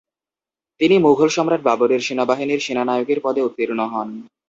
তিনি মুঘল সম্রাট বাবরের সেনাবাহিনীর সেনানায়কের পদে উত্তীর্ণ হন।